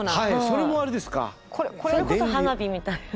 それこそ花火みたいな。